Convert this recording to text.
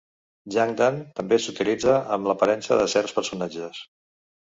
"Jangdan" també s'utilitza amb l'aparença de certs personatges.